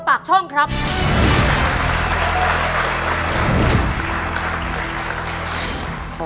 คุณยายแจ้วเลือกตอบจังหวัดนครราชสีมานะครับ